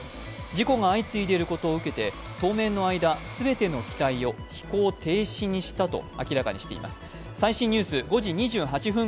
事故が相次いでいることを受けて当面の間、全ての機体を飛行停止にしたと明らかにしています。